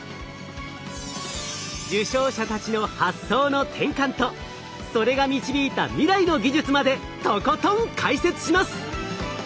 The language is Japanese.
受賞者たちの発想の転換とそれが導いた未来の技術までとことん解説します！